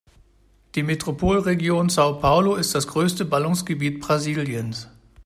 Die Metropolregion São Paulo ist das größte Ballungsgebiet Brasiliens.